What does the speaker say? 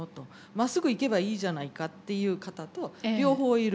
まっすぐ行けばいいじゃないかっていう方と両方いる。